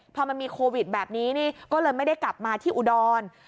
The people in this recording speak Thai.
พอมันมีโควิดแบบนี้นี่ก็เลยไม่ได้กลับมาที่อุดร